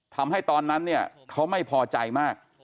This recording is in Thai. ตอนนั้นเนี่ยเขาไม่พอใจมาก